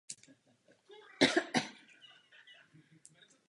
Proběhne také evropské fórum o sportu.